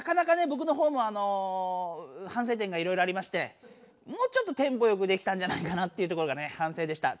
ぼくのほうもあのはんせい点がいろいろありましてもうちょっとテンポよくできたんじゃないかなっていうところがねはんせいでした。